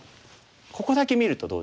ここだけ見るとどうですか？